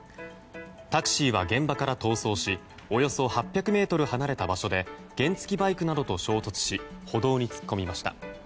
タクシーは現場から逃走しおよそ８００ｍ離れた場所で原付きバイクなどと衝突し歩道に突っ込みました。